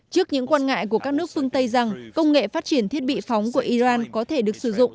trước những quan ngại của các nước phương tây rằng công nghệ phát triển thiết bị phóng của iran có thể được sử dụng